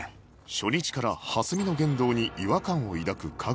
初日から蓮見の言動に違和感を抱く架川